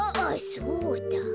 そうだ！